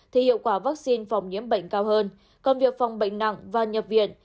thì hiệu quả vaccine phòng nhiễm bệnh cao hơn còn việc phòng bệnh nặng và nhập viện